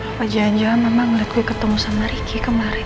apa jalan jalan mama ngeliat gue ketemu sama ricky kemarin